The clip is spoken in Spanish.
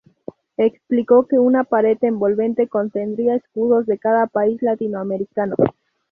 Explicó que una pared envolvente contendría escudos de cada país latinoamericano.